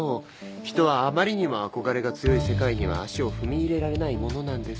人はあまりにも憧れが強い世界には足を踏み入れられないものなんですよ。